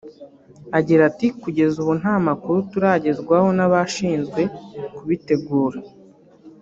Agira ati “Kugeza ubu nta makuru turagezwaho n’abashinzwe kubitegura